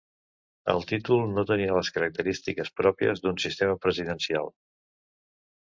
El títol no tenia les característiques pròpies d'un sistema presidencial.